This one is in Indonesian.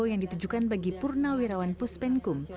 yang ditujukan bagi purna wirawan puspenkum